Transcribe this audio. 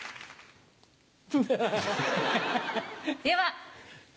では。